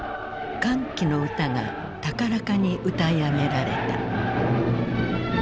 「歓喜の歌」が高らかに歌い上げられた。